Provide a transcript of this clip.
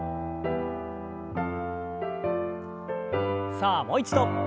さあもう一度。